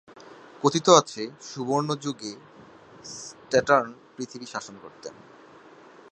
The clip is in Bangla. কথিত আছে, সুবর্ণ যুগে স্যাটার্ন পৃথিবী শাসন করতেন।